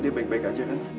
dia baik baik aja kan